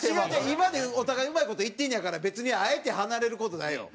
今でお互いうまい事いってんねやから別にあえて離れる事ないよ。